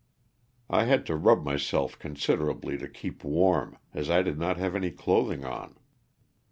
I had to rub myself considerably to keep warm, as I did not have any clothing on.